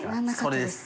それです。